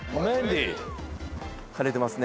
晴れてますね。